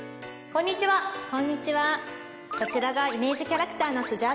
こちらがイメージキャラクターの。